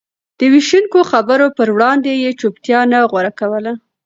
د وېشونکو خبرو پر وړاندې يې چوپتيا نه غوره کوله.